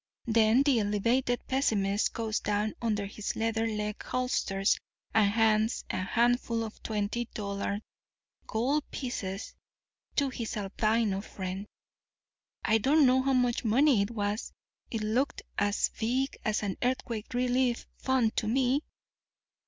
Then the elevated pessimist goes down under his leather leg holsters and hands a handful of twenty dollar gold pieces to his albino friend. I don't know how much money it was; it looked as big as an earthquake relief fund to me.